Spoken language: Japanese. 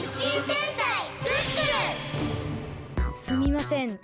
すみません。